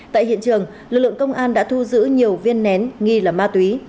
tại hiện trường lực lượng công an đã thu giữ nhiều viên nén nghi là ma túy